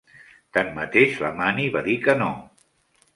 Tanmateix, la Mani va dir que no.